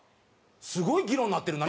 すごい議論になってる。